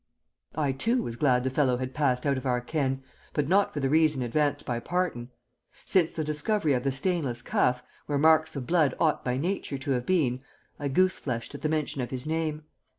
I, too, was glad the fellow had passed out of our ken, but not for the reason advanced by Parton. Since the discovery of the stainless cuff, where marks of blood ought by nature to have been, I goose fleshed at the mention of his name.